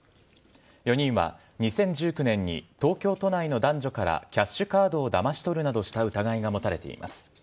４人は２０１９年に、東京都内の男女からキャッシュカードをだまし取るなどした疑いが持たれています。